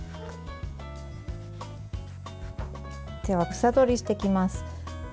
では、房取りしていきます。